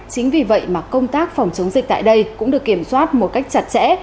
chính vì vậy mà công tác phòng chống dịch tại đây cũng được kiểm soát một cách chặt chẽ